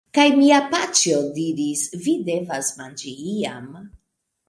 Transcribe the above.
Kaj mia paĉjo diris: "Vi devas manĝi iam!"